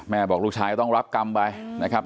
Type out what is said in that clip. บอกลูกชายก็ต้องรับกรรมไปนะครับ